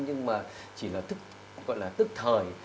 nhưng mà chỉ là tức thời